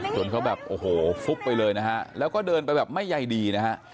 จนเขาแบบโอ้โหฟุบไปเลยนะฮะแล้วก็เดินไปแบบไม่ใยดีนะฮะ